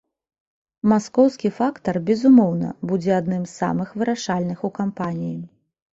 Маскоўскі фактар, безумоўна, будзе адным з самых вырашальных у кампаніі.